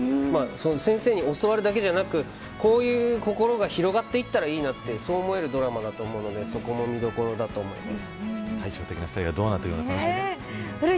先生に教わるだけじゃなくこういう心が広がっていったらいいなとそう思えるドラマだと思うのでそこも見どころだと思います。